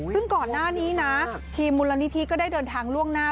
ซึ่งก่อนหน้านี้นะทีมมูลนิธิก็ได้เดินทางล่วงหน้า